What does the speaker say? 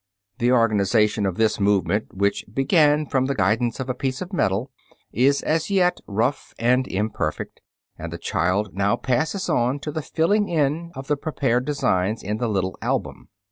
The organization of this movement, which began from the guidance of a piece of metal, is as yet rough and imperfect, and the child now passes on to the filling in of the prepared designs in the little album.